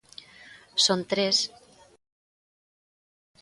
Son o tres que mantiveron estruturas asemblearias e unidade polo cambio.